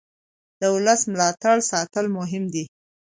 د ولس ملاتړ ساتل مهم دي